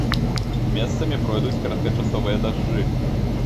Месцамі пройдуць кароткачасовыя дажджы.